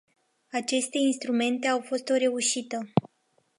Aceste instrumente au fost o reușită.